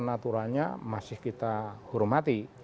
aturannya masih kita hormati